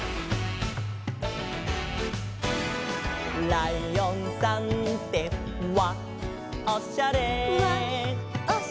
「ライオンさんってわっおしゃれ」「」